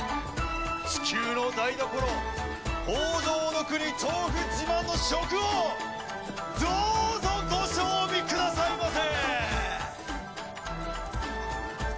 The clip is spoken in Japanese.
チキューの台所豊穣の国トウフ自慢の食をどうぞご賞味くださいませ！